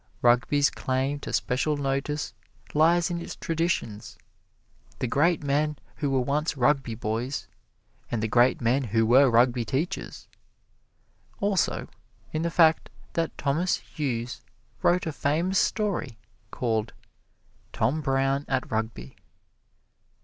Rugby's claim to special notice lies in its traditions the great men who were once Rugby boys, and the great men who were Rugby teachers. Also, in the fact that Thomas Hughes wrote a famous story called, "Tom Brown at Rugby."